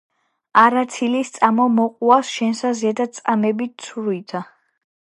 არა ცილი სწამო მოყუასსა შენსა ზედა წამებითა ცრუითა.